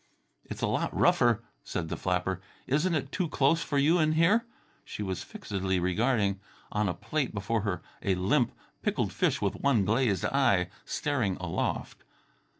"It is a lot rougher," said the flapper. "Isn't it too close for you in here?" She was fixedly regarding on a plate before her a limp, pickled fish with one glazed eye staring aloft.